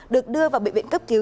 được đưa vào bệnh viện cấp cứu